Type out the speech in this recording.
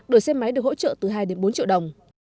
đổi xe máy được hỗ trợ từ hai đến bốn triệu đồng